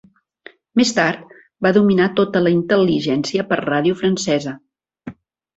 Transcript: Més tard, va dominar tota la intel·ligència per ràdio francesa.